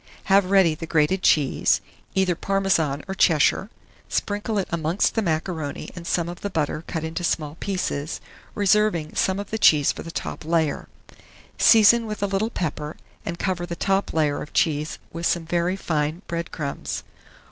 Have ready the grated cheese, either Parmesan or Cheshire; sprinkle it amongst the macaroni and some of the butter cut into small pieces, reserving some of the cheese for the top layer. Season with a little pepper, and cover the top layer of cheese with some very fine bread crumbs.